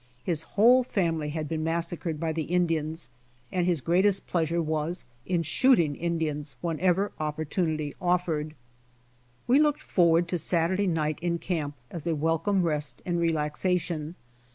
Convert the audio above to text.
His whole family had been massacred by the Indians and his greatest pleasure was in shoot ing Indians whenever opportunity offered. We looked forward to Saturday night in camp as a welcome rest and relaxation.